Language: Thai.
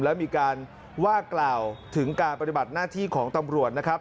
แล้วมีการว่ากล่าวถึงการปฏิบัติหน้าที่ของตำรวจนะครับ